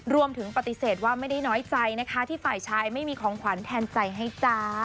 รวมถึงปฏิเสธว่าไม่ได้น้อยใจนะคะที่ฝ่ายชายไม่มีของขวัญแทนใจให้จ้า